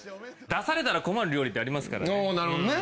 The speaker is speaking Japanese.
出されたら困る料理ってありますからね。